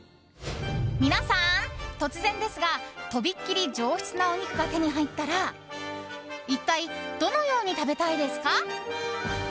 皆さん、突然ですがとびっきり上質なお肉が手に入ったら一体、どのように食べたいですか？